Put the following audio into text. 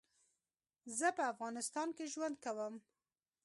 زه په افغانستان کي ژوند کوم